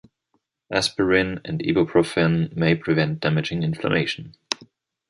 Aspirin and ibuprofen may prevent damaging inflammation.